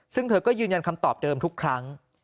ซึ่งเธอก็ยืนยันคำตอบเดิมทุกครั้ง